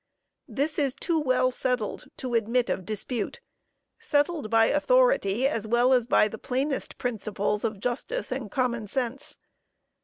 This is too well settled to admit of dispute settled by authority as well as by the plainest principles of justice and common sense.